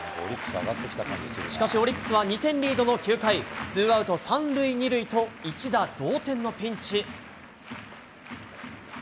しかし、オリックスは２点リードの９回、ツーアウト３塁２塁と一打同点のピンチ。